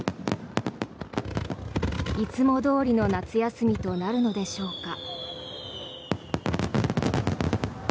いつもどおりの夏休みとなるのでしょうか。